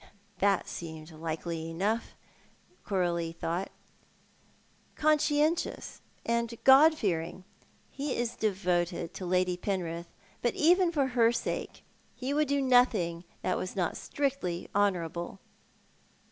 That seemed likely enough, Coralie thought. "Conscientious and God fearing. He is devoted to Lady Penrith, but even for her sake he would do nothing that was not strictly honourable."